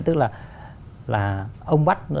tức là ông bắt